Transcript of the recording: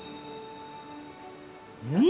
うん！